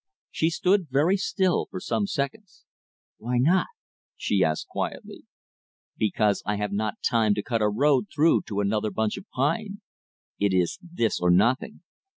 She stood very still for some seconds. "Why not?" she asked quietly. "Because I have not time to cut a road through to another bunch of pine. It is this or nothing."